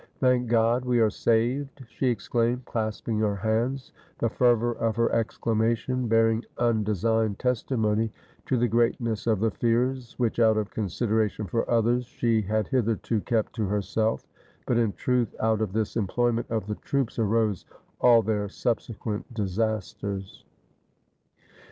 "Thank God, we are saved," she exclaimed, clasping her hands; the fervor of her exclamation bear ing undesigned testimony to the greatness of the fears, which, out of consideration for others, she had hitherto kept to herself; but in truth out of this employment of the troops arose all their subsequent disasters.